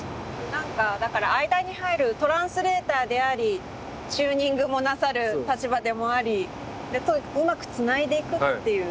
なんかだから間に入るトランスレーターでありチューニングもなさる立場でもありうまくつないでいくっていう。